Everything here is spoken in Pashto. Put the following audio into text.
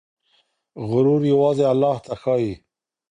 غرور يوازې الله ته ښايي.